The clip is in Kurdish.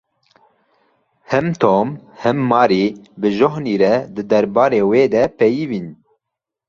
Him Tom him Mary bi Johnî re di derbarê wê de peyivîn.